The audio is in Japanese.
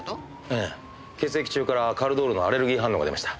ええ血液中からカルドールのアレルギー反応が出ました。